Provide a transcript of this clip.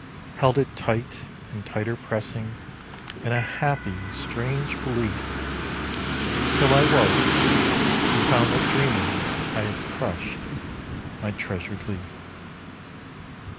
Held it tight, and tighter pressing, in a happy strange belief, Till I 'woke, and found that dreaming I had crushed my treasured leaf.